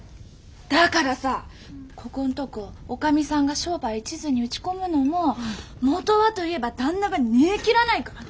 だからさここんとこ女将さんが商売一途に打ち込むのももとはといえば旦那が煮えきらないから。